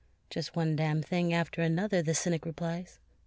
"Just one darned thing after another," the cynic replies.